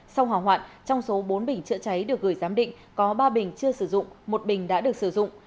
sau hỏa hoạn trong số bốn bình chữa cháy được gửi giám định có ba bình chưa sử dụng một bình đã được sử dụng